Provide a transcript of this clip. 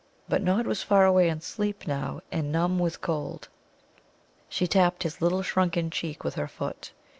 But Nod was far away in sleep now, and numb with cold. She tapped his little shrunken cheek with her foot.